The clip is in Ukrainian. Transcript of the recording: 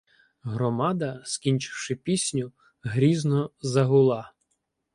Громада, скінчивши пісню, грізно загула.